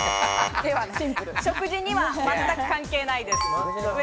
食事には全く関係ないです。